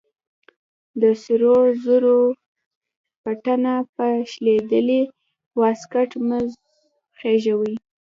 د سرو زرو بټنه په شلېدلې واسکټ مه خښوئ.